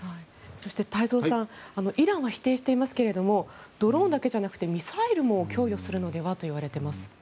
そして太蔵さんイランは否定していますがドローンだけじゃなくてミサイルも供与するのではといわれています。